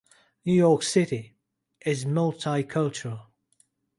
New York City is multicultural.